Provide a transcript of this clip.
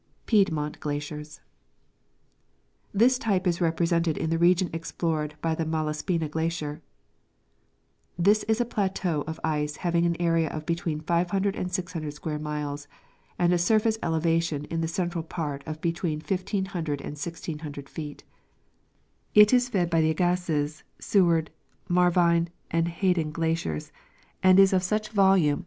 Piedmont Glaciers. This type is represented in the region explored by the Malas pina glacier. This is a plateau of ice having an area of between 500 and 600 square miles, and a surface elevation in the central part of between 1,500 and 1,600 feet. It is fed by the Agassiz, Seward, Marvine, and Hayclen glaciers, and is of such volume that 186 I.